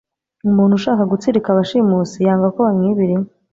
Umuntu ushaka gutsirika abashimusi, yanga ko bamwibira inka,